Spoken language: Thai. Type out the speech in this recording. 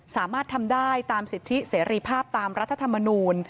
สามารถทำได้ตามสิทธิเสรีภาพตามรัฐธรรมนูล